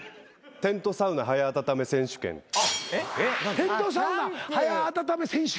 テントサウナ早温め選手権。